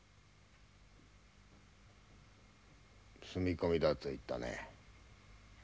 「住み込み」だと言ったね。